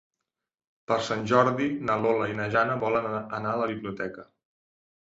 Per Sant Jordi na Lola i na Jana volen anar a la biblioteca.